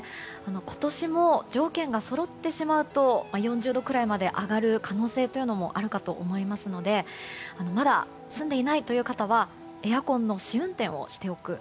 今年も条件がそろってしまうと４０度くらいまで上がる可能性もあるかと思いますのでまだ済んでいないという方はエアコンの試運転をしておく。